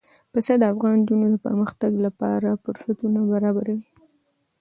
پسه د افغان نجونو د پرمختګ لپاره فرصتونه برابروي.